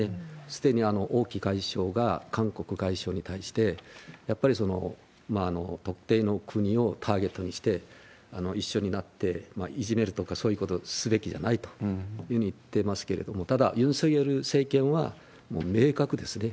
すでに王毅外相が韓国外相に対して、やっぱり特定の国をターゲットにして、一緒になっていじめるとか、そういうことをすべきじゃないというふうに言ってますけれども、ただ、ユン・ソギョル政権はもう明確ですね。